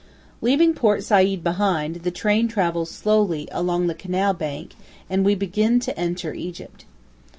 Leaving Port Said behind, the train travels slowly along the canal bank, and we begin to enter Egypt.